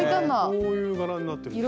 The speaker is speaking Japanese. こういう柄になってるんです。